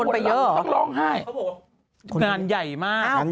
งานใหญ่มาก